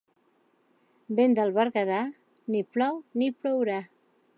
Vent del Berguedà, ni plou ni plourà.